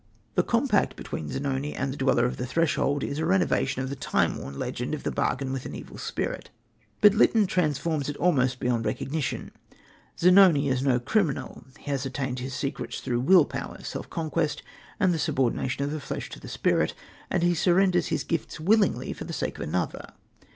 The compact between Zanoni and the Dweller of the Threshold is a renovation of the time worn legend of the bargain with an evil spirit, but Lytton transforms it almost beyond recognition. Zanoni is no criminal. He has attained his secrets through will power, self conquest, and the subordination of the flesh to the spirit, and he surrenders his gifts willingly for the sake of another.